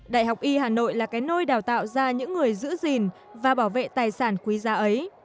đại học y hà nội là cái nơi đào tạo ra những người giữ gìn và bảo vệ tài sản quý giá ấy